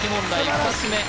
２つ目